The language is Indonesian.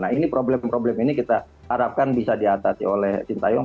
nah ini problem problem ini kita harapkan bisa diatasi oleh sintayong